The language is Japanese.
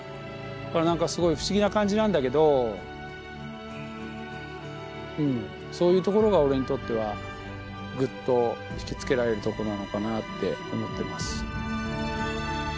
だから何かすごい不思議な感じなんだけどそういうところが俺にとってはぐっと引き付けられるとこなのかなって思ってます。